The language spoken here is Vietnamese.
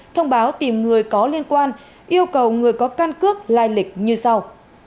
thông báo tìm người có liên quan yêu cầu người có căn cước lai lịch như sau